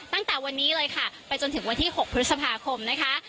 ตั้งแต่วันนี้เลยค่ะไปจนถึงวันที่๖พฤษภาคมนะคะ